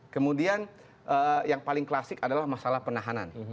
kemudian yang paling klasik adalah masalah penahanan